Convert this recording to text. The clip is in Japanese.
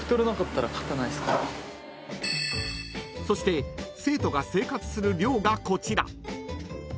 ［そして生徒が生活する寮がこちら］